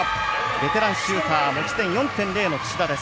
ベテランシューター持ち点４．０の土田です。